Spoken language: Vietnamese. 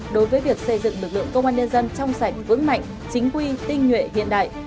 đối với việc xây dựng lực lượng công an nhân dân trong sạch vững mạnh chính quy tinh nhuệ hiện đại